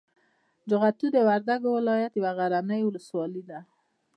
جغتو د وردګو د ولایت یوه غرنۍ ولسوالي ده.